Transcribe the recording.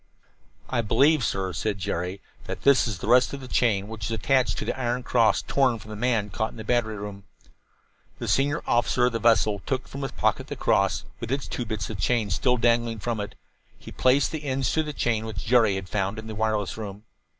"I believe, sir," said Jerry, "that this is the rest of the chain which was attached to the iron cross torn from the man caught in the battery room." The senior officer of the vessel took from his pocket the cross, with its two bits of chain still dangling from it. He placed the ends to the chain which Jerry had found in the wireless room.